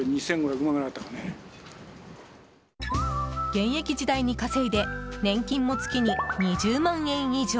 現役時代に稼いで年金も月に２０万円以上。